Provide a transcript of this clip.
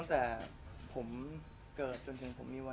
แจกหมดตัว